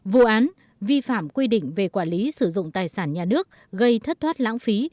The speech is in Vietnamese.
vụ án vi phạm quy định về quản lý sử dụng tài sản nhà nước gây thất thoát lãng phí